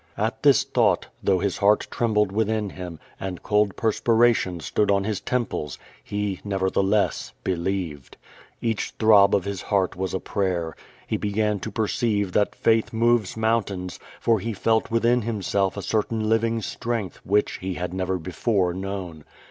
At this thought, though his heart trembled within him, and cold perspiration stood on his temples, he, nevertheless, believed. Each throl) of his heart was a prayer. He began to perceive that faith moves mountains, for he felt within himself a certain living strength, 292 Q^^ VADIS. which he had never before known.